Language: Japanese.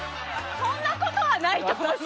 そんなことはないと思いますけど。